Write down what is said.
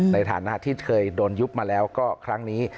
ในฐานะที่เคยโดนยุบมาแล้วก็ครั้งนี้